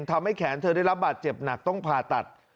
ทำให้แขนเธอได้รับบาดเจ็บหนักต้องผ่าตัด